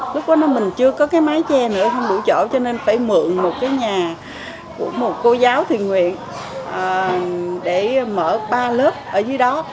lúc đó mình chưa có cái mái che nữa không đủ chỗ cho nên phải mượn một cái nhà của một cô giáo thuyền nguyện để mở ba lớp ở dưới đó